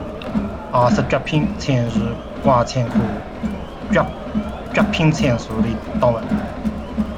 二色桌片参为瓜参科桌片参属的动物。